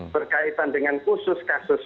berkaitan dengan khusus kasus